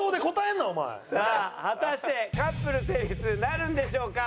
さあ果たしてカップル成立なるんでしょうか？